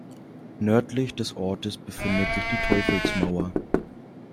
Nördlich des Ortes befindet sich die Teufelsmauer.